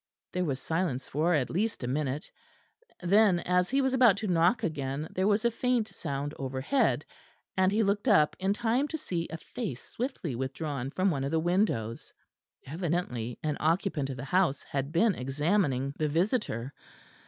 There was silence for at least a minute; then as he was about to knock again there was a faint sound overhead, and he looked up in time to see a face swiftly withdrawn from one of the windows. Evidently an occupant of the house had been examining the visitor.